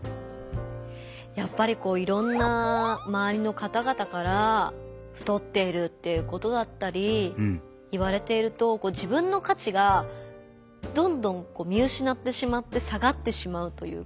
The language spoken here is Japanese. やっぱりこういろんなまわりの方々から太っているっていうことだったり言われていると自分の価値がどんどん見うしなってしまって下がってしまうというか。